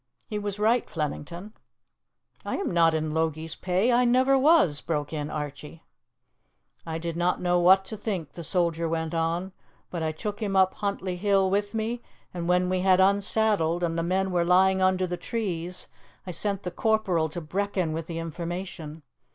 He was right, Flemington." "I am not in Logie's pay I never was," broke in Archie. "I did not know what to think," the soldier went on; "but I took him up Huntly Hill with me, and when we had unsaddled, and the men were lying under the trees, I sent the corporal to Brechin with the information.